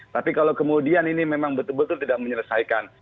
tapi kalau kemudian ini memang betul betul tidak menyelesaikan